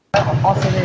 đây là cỏ cd đúng không